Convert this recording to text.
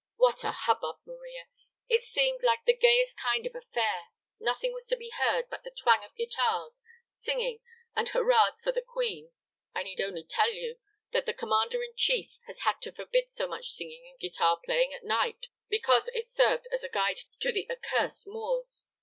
What a hubbub, Maria! It seemed like the gayest kind of a fair; nothing was to be heard but the twang of guitars, singing, and hurrahs for the queen. I need only tell you that the commander in chief has had to forbid so much singing and guitar playing at night, because it served as a guide to the accursed Moors.